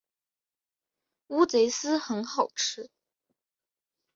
乌贼丝很好吃